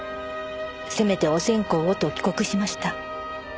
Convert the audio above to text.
せめてお線香をと帰国しました。